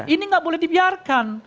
ini gak boleh dibiarkan